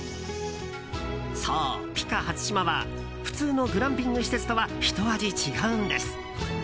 そう、ＰＩＣＡ初島は普通のグランピング施設とはひと味違うんです。